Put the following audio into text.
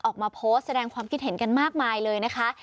ออกมาโพสต์แสดงความคิดเห็นกันมากมายเลยนะคะ